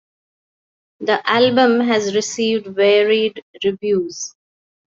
The album has received varied reviews.